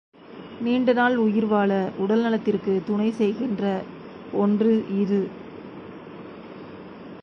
நீண்ட நாள் உயிர் வாழ உடல் நலத்திற்குத் துணை செய்கின்ற ஒன்று இது.